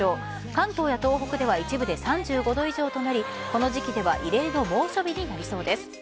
関東や東北では一部で３５度以上となりこの時期では異例の猛暑日になりそうです。